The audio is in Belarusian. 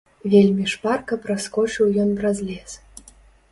Вельмі шпарка праскочыў ён праз лес.